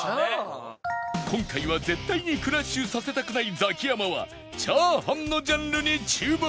今回は絶対にクラッシュさせたくないザキヤマはチャーハンのジャンルに注目